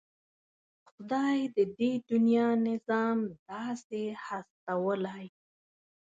خدای د دې دنيا نظام داسې هستولی.